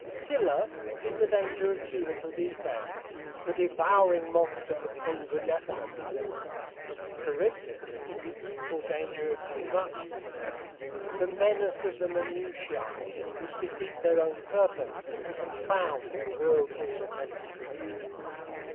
Scylla is the danger of too little detail, the devouring monster of over definiteness; Charybdis is the equal danger of too much detail, the menace of the minutiæ which defeat their own purpose, and confound in the whirlpool of mental confusion.